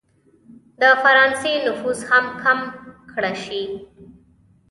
د فرانسې نفوذ هم کم کړه شي.